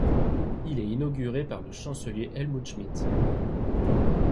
Il est inauguré par le chancelier Helmut Schmidt.